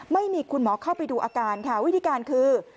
ไม่มีคุณหมอเข้าไปดูอาการค่ะวิธีการคือ